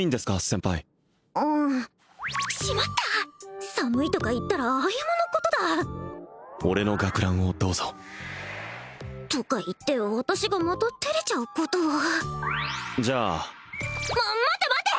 先輩うんしまった寒いとか言ったら歩のことだ俺の学ランをどうぞとか言って私がまた照れちゃうことをじゃあま待て待て！